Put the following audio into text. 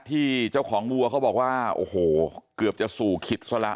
ที่เจ้าของวัวเขาบอกว่าโอ้โหเกือบจะสู่ขิตซะแล้ว